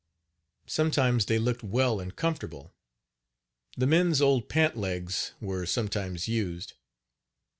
Sometimes they looked well and comfortable. The men's old pant legs were sometimes used.